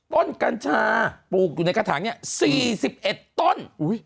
กัญชาปลูกอยู่ในกระถางเนี่ย๔๑ต้น